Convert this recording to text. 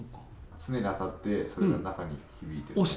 常に当たって、それが中に響いて。